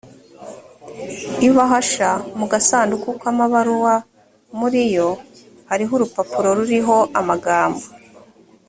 ibahasha mu gasanduku k amabaruwa muriyo hari urupapuro ruriho amagambo